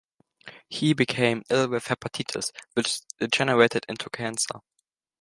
He became ill with hepatitis, which degenerated into cancer.